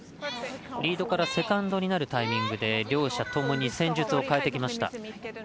リードからセカンドになるタイミングで両者ともに戦術を変えてきました。